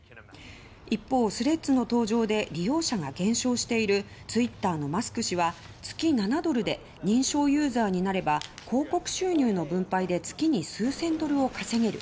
一方スレッズの登場で利用者が減少しているツイッターのマスク氏は月７ドルで認証ユーザーになれば広告収入の分配で月に数千ドルを稼げる。